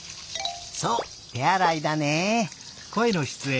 そうてあらいだね。